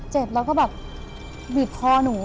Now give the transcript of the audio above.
เจ็บแล้วก็แบบบีบคอหนู